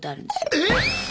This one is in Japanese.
えっ！